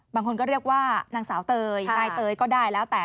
บางคนก็เรียกว่านางสาวเตยนายเตยก็ได้แล้วแต่